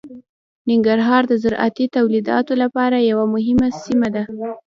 ننګرهار د زراعتي تولیداتو لپاره یوه مهمه سیمه ده.